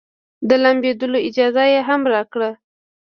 د لامبېدلو اجازه يې هم راکړه.